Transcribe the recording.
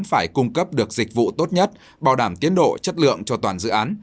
phải cung cấp được dịch vụ tốt nhất bảo đảm tiến độ chất lượng cho toàn dự án